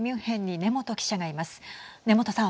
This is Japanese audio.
根本さん。